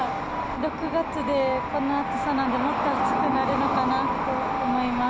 ６月でこの暑さなので、もっと暑くなるのかなと思います。